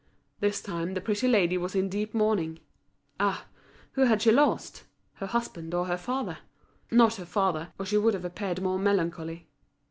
This time the pretty lady was in deep mourning. Ah, who had she lost—her husband or her father? Not her father, or she would have appeared more melancholy.